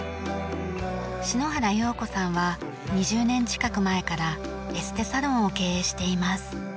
篠原曜子さんは２０年近く前からエステサロンを経営しています。